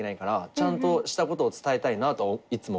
ちゃんとしたことを伝えたいなといつも思う。